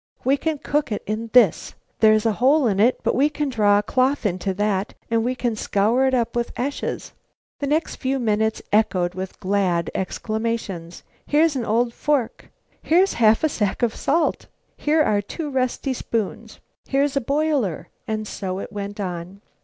"We can cook it in this. There's a hole in it, but we can draw a cloth into that, and we can scour it up with ashes." The next few minutes echoed with glad exclamations: "Here's an old fork!" "Here's half a sack of salt!" "Here are two rusty spoons!" "Here's a broiler," and so it went on.